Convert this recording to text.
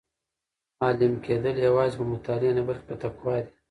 عالم کېدل یوازې په مطالعې نه بلکې په تقوا دي.